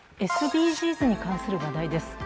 ＳＤＧｓに関する話題です。